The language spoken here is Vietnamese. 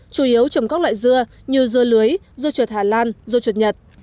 chủ yếu trồng các loại dưa như dưa lưới dưa chuột hà lan dưa chuột nhật